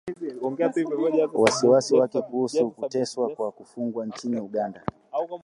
wasiwasi wake kuhusu kuteswa kwa wafungwa nchini Uganda na ukiukwaji mwingine wa haki